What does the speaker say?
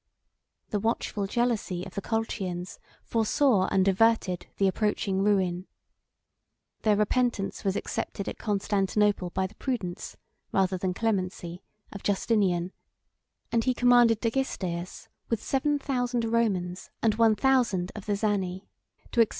The watchful jealousy of the Colchians foresaw and averted the approaching ruin. Their repentance was accepted at Constantinople by the prudence, rather than clemency, of Justinian; and he commanded Dagisteus, with seven thousand Romans, and one thousand of the Zani, 8511 to expel the Persians from the coast of the Euxine.